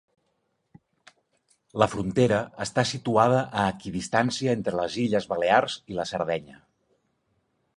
La frontera està situada a equidistància entre les illes Balears i la Sardenya.